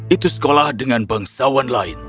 itu sekolah dengan bangsawan lain